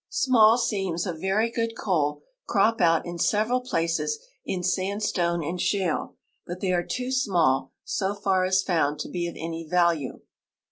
Small seams of very good coal crop out in several ]daces in sandstone and shale, but the}" are too small, so far as found, to l)e of any value.